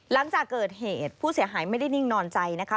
หลังจากเกิดเหตุผู้เสียหายไม่ได้นิ่งนอนใจนะคะ